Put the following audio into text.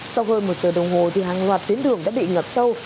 sau hơn một giờ đồng hồ hàng loạt tuyến đường đã bị ngập sâu